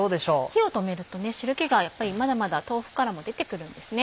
火を止めると汁気がまだまだ豆腐からも出てくるんですね。